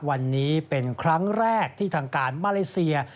วันนี้เป็นครั้งแรกที่ทางการมาเลเซีย